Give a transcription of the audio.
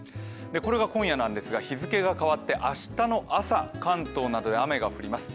これが今夜なんですが、日付が変わって明日の朝、関東などで雨が降ります。